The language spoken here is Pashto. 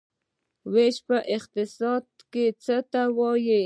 ویش په اقتصاد کې څه ته وايي؟